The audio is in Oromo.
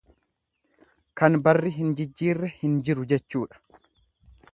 Kan barri hin jijiirre hin jiru jechuudha.